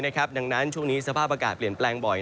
ดังนั้นช่วงนี้สภาพอากาศเปลี่ยนแปลงบ่อย